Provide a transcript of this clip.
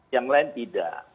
yang lain tidak